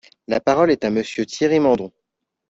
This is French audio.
La parole est à Monsieur Thierry Mandon.